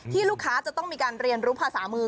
ลูกค้าจะต้องมีการเรียนรู้ภาษามือ